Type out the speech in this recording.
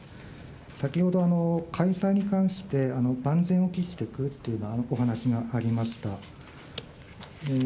先ほど、開催に関して万全を期していくというお話がありました。